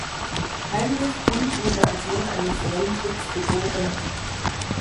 Heinrich Grund wurde als Sohn eines Landwirts geboren.